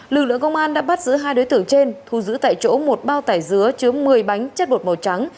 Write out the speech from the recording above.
lực lượng công an đã bắt giữ hai đối tượng trên thu giữ tại chỗ một bao tải dứa chứa một mươi bánh chất bột màu trắng